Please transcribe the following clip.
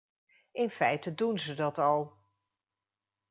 In feite doen ze dat al.